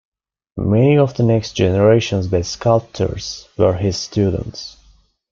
Many of the next generation's best sculptors were his students.